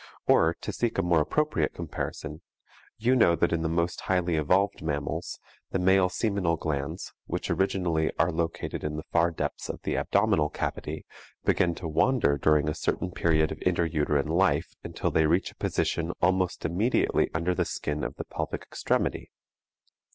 Or, to seek a more appropriate comparison: You know that in the most highly evolved mammals, the male seminal glands, which originally are located in the far depths of the abdominal cavity, begin to wander during a certain period of intra uterine life until they reach a position almost immediately under the skin of the pelvic extremity.